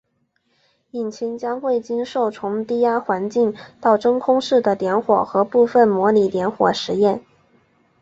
引擎将会经受从低压环境到真空室的点火和部分模拟点火实验。